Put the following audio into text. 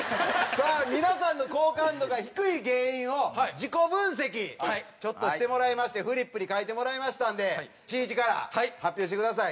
さあ皆さんの好感度が低い原因を自己分析ちょっとしてもらいましてフリップに書いてもらいましたんでしんいちから発表してください。